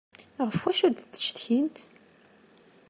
Ɣef wacu d-ttcetkint?